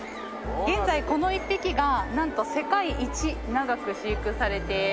現在この１匹がなんと世界一長く飼育されているんです。